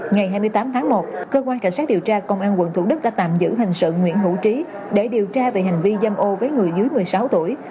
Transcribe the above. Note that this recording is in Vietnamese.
ngày hai mươi tám tháng một cơ quan cảnh sát điều tra công an quận thủ đức đã tạm giữ hình sự nguyễn hữu trí để điều tra về hành vi dâm ô với người dưới một mươi sáu tuổi